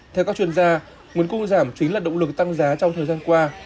theo các chuyên gia nguồn cung giảm chính là động lực tăng giá trong thời gian qua